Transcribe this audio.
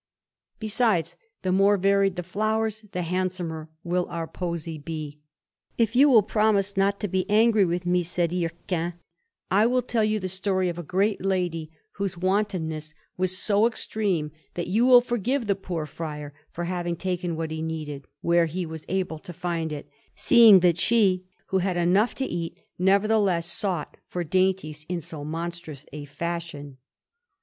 Besides, the more varied the flowers the handsomer will our posy be." "If you will promise not to be angry with me," said Hircan, "I will tell you the story of a great lady whose wantonness was so extreme that you will forgive the poor friar for having taken what he needed, where he was able to find it, seeing that she, who had enough to eat, nevertheless sought for dainties in too monstrous a fashion."